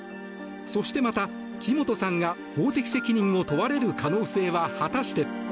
そしてまた、木本さんが法的責任を問われる可能性は果たして。